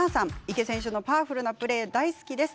池選手のパワフルなプレー大好きです。